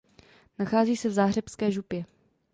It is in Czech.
Nachází se v Záhřebské župě.